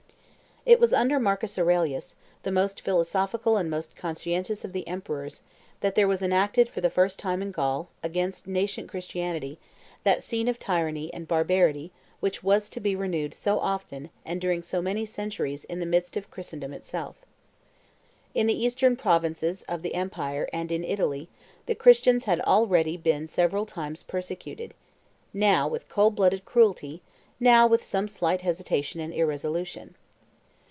It was under Marcus Aurelius, the most philosophical and most conscientious of the emperors, that there was enacted for the first time in Gaul, against nascent Christianity, that scene of tyranny and barbarity which was to be renewed so often and during so many centuries in the midst of Christendom itself. In the eastern provinces of the Empire and in Italy the Christians had already been several times persecuted, now with cold blooded cruelty, now with some slight hesitation and irresolution.